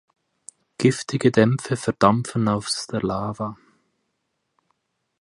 Giftige Dämpfe verdampfen aus der Lava.